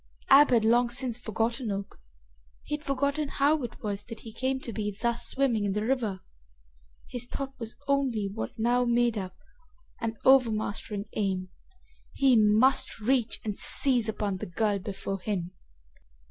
Ab had long since forgotten Oak. He had forgotten how it was that he came to be thus swimming in the river. His thought was only what now made up an overmastering aim. He must reach and seize upon the girl before him!